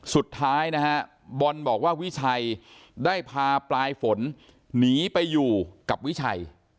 สุดท้ายนะฮะบอลบอกว่าวิชัยได้พาปลายฝนหนีไปอยู่กับวิชัย